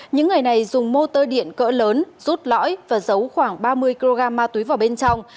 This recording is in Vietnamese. những ngày này dùng mô tơ điện cỡ lớn rút lõi và giấu khoảng ba mươi kg ma túy vào bên trong